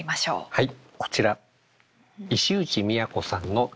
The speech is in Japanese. はい。